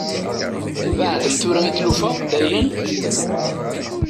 Tbeɛɛdem tura i tlufa, dayen?